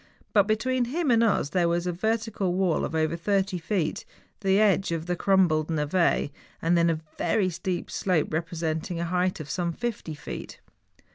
But between him and us there was first a vertical wall of over thirty feet, the edge of the crumbled ntve, then a very steep slope re¬ presenting a height of some fifty feet.